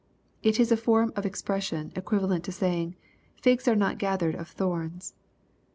It is a form of expression equivalent to saying, "figs are not ga hered of thorns."